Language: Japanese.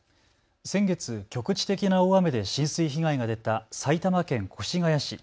先月、局地的な大雨で浸水被害が出た埼玉県越谷市。